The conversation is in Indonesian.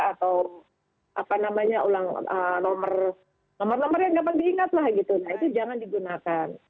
atau apa namanya ulang nomor nomor yang dapat diingat lah gitu nah itu jangan digunakan